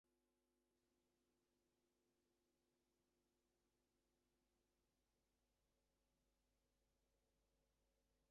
Jugaba como mediocampista y actualmente se encuentra retirado.